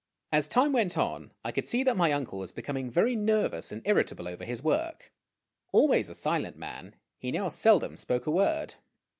As time went on, I could see that my uncle was becoming very nervous and irritable over his work. Always a silent man, he now seldom spoke a word.